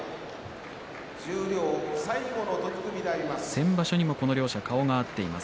先場所にもこの両者顔が合っています。